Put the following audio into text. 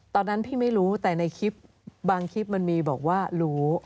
ตอนนั้นพี่ไม่รู้แต่ในคลิปบางคลิปมันมีบอกว่ารู้